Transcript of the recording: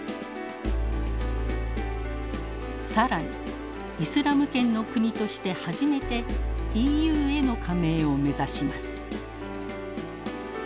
更にイスラム圏の国として初めてＥＵへの加盟を目指します。